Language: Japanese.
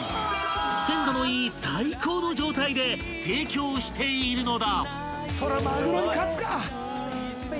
［鮮度のいい最高の状態で提供しているのだ］